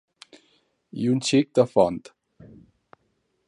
I un xic de font.